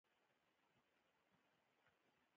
دیني علوم یې زده کول.